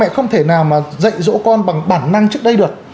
lại không thể nào mà dạy dỗ con bằng bản năng trước đây được